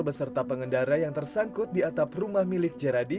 beserta pengendara yang tersangkut di atap rumah milik jeradi